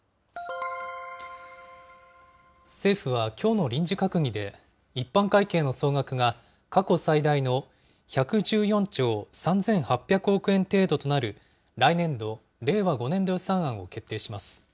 政府はきょうの臨時閣議で、一般会計の総額が過去最大の１１４兆３８００億円程度となる、来年度・令和５年度予算案を決定します。